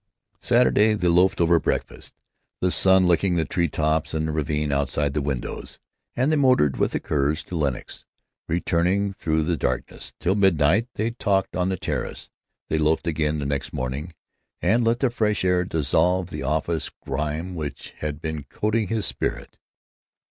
Saturday, they loafed over breakfast, the sun licking the tree tops in the ravine outside the windows; and they motored with the Kerrs to Lenox, returning through the darkness. Till midnight they talked on the terrace. They loafed again, the next morning, and let the fresh air dissolve the office grime which had been coating his spirit.